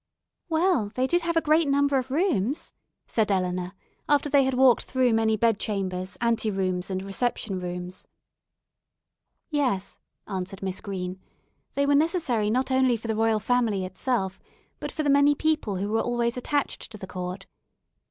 "Well, they did have a great number of rooms," said Eleanor, after they had walked through many bedchambers, anterooms, and reception rooms. "Yes," answered Miss Green, "they were necessary not only for the Royal Family itself, but for the many people who were always attached to the court.